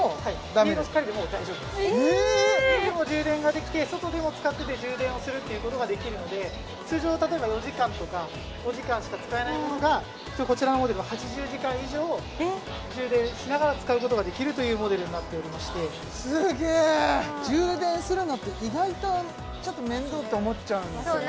家でも充電ができて外でも使ってて充電をするっていうことができるので通常例えば４時間とか５時間しか使えないものが一応こちらのほうではというモデルになっておりましてすげえ充電するのって意外とちょっと面倒って思っちゃうんですよね